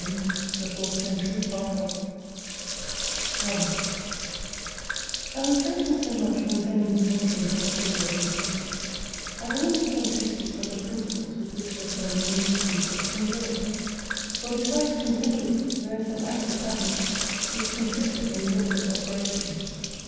237 THE FOURTH CENTURY 1 HAVING spoken so much concerning his entrance and progress in Felicity, I wiU in this century speak of the pnnciples with which your friend endued himself to enjoy it. For besides contemplative, there is an active happiness, which consisteth in blessed operations.